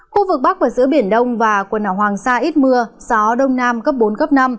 khu vực bắc và giữa biển đông và quần đảo hoàng sa ít mưa gió đông nam cấp bốn cấp năm